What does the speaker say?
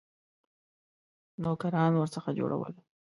نوکران ورڅخه جوړول.